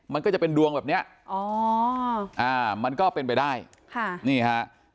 มันก็จะเป็นดวงแบบเนี้ยอ๋ออ่ามันก็เป็นไปได้ค่ะนี่ฮะ